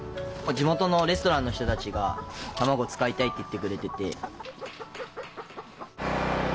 地元のレストランの人たちが卵使いたいって言ってくれてて。